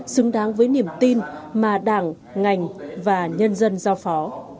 xứng đáng với niềm tin mà đảng ngành và nhân dân giao phó